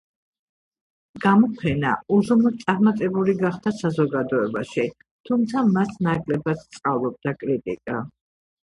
გამოფენა უზომოდ წარმატებული გახდა საზოგადოებაში, თუმცა მას ნაკლებად სწყალობდა კრიტიკა.